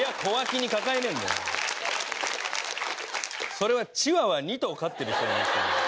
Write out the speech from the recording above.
それはチワワ２頭飼ってる人の持ち方。